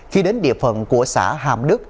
khi đến địa phận của xã hàm đức